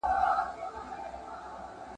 د مور په غېږ او په زانګو کي یې روژې نیولې ..